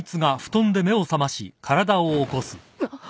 あっ！